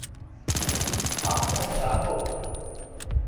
আমরা যাহাকে বিষয়ের জ্ঞান বলি, তাহা আমাদের মনঃসমুদ্রের একান্তই উপরকার ব্যাপার।